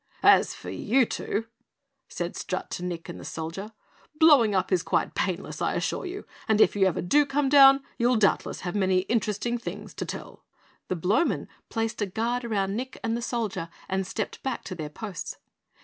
"As for you two," said Strut to Nick and the Soldier, "blowing up is quite painless, I assure you, and if you ever do come down you'll doubtless have many interesting things to tell." The Blowmen placed a guard around Nick and the Soldier, and stepped back to their posts.